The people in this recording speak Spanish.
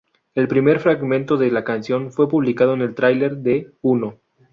El primer fragmento de la canción fue publicado en el tráiler de "¡Uno!